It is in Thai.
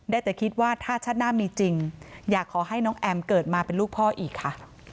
ได้แต่คิดว่าถ้าชาติหน้ามีจริงอยากขอให้น้องแอมเกิดมาเป็นลูกพ่ออีกค่ะ